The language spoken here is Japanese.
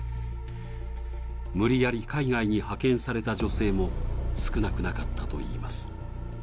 無理やり海外に派遣された女性も少なくなかったといいます。